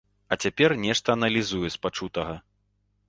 А цяпер нешта аналізуе з пачутага.